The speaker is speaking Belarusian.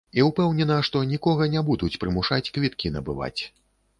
І ўпэўнена, што нікога не будуць прымушаць квіткі набываць.